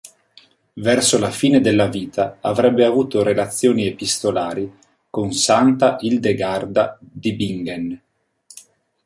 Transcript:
Verso la fine della vita avrebbe avuto relazioni epistolari con santa Ildegarda di Bingen.